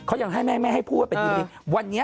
เขายังให้แม่ให้พูดว่าเป็นดีหรือไม่ดี